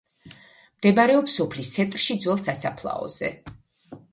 მდებარეობს სოფლის ცენტრში ძველ სასაფლაოზე.